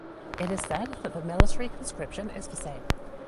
It is said that the military conscription is the same.